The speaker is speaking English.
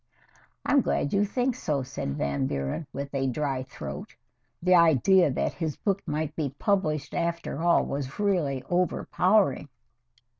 "I am glad you think so," said Van Buren, with a dry throat the idea that his book might be published after all was really overpowering.